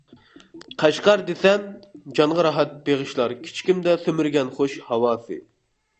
«قەشقەر» دېسەم، جانغا راھەت بېغىشلار كىچىكىمدە سۈمۈرگەن خۇش ھاۋاسى.